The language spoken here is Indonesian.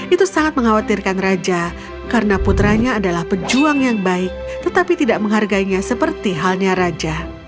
itu sangat mengkhawatirkan raja karena putranya adalah pejuang yang baik tetapi tidak menghargainya seperti halnya raja